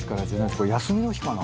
これ休みの日かな？